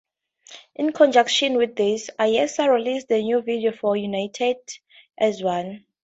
In conjunction with this, Ayesa released the new video for 'United As One'.